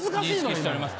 認識しております。